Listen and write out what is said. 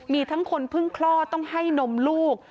มีทั้งคนเพิ่งคลอดต้องให้นมลูก